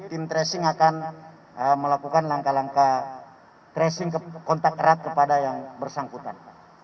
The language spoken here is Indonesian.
tim tracing akan melakukan langkah langkah tracing kontak erat kepada yang bersangkutan